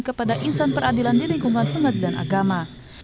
kepada insan peradilan di lingkungan pengadilan agama